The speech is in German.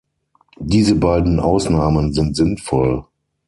Diese beiden Ausnahmen sind sinnvoll.